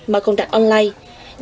mà còn đặt online